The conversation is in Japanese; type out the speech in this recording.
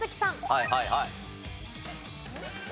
はいはい。